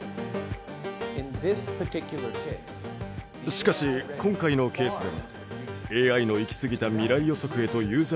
しかし今回のケースではＡＩの行き過ぎた未来予測へとユーザーが導かれていきました。